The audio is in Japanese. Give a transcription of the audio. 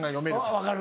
分かる。